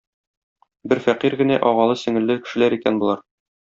Бер фәкыйрь генә агалы-сеңелле кешеләр икән болар.